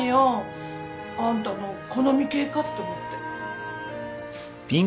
あんたの好み系かと思って。